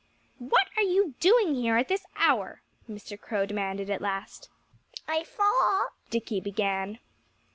"What are you doing here at this hour?" Mr. Crow demanded at last. "I thought " Dickie began.